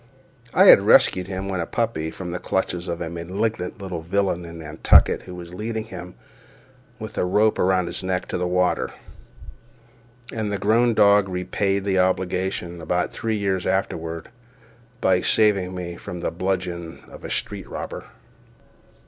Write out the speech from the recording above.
I had rescued him, when a puppy, from the clutches of a malignant little villain in Nantucket who was leading him, with a rope around his neck, to the water; and the grown dog repaid the obligation, about three years afterward, by saving me from the bludgeon of a street robber.